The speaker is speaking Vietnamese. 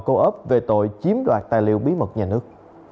câu ấp về tội chiếm đoạt tài liệu bí mật nhà nước